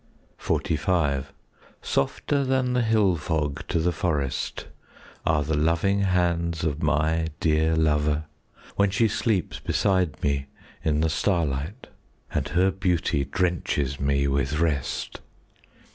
XLV Softer than the hill fog to the forest Are the loving hands of my dear lover, When she sleeps beside me in the starlight And her beauty drenches me with rest.